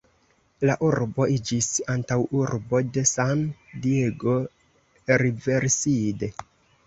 La urbo iĝis antaŭurbo de San-Diego, Riverside.